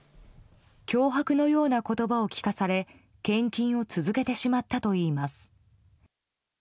脅迫のような言葉を聞かされ献金を続けてしまったといいます。